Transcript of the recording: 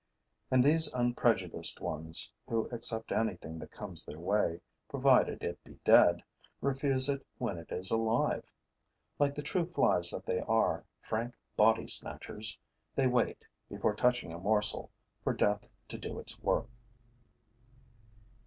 And these unprejudiced ones, who accept anything that comes their way, provided it be dead, refuse it when it is alive. Like the true flies that they are, frank body snatchers, they wait, before touching a morsel, for death to do its work.